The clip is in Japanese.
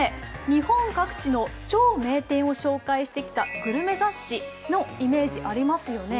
日本各地の超名店を紹介してきたグルメ雑誌のイメージありますよね。